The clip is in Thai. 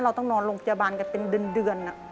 เราต้องนอนโรงพยาบาลกันเป็นเดือน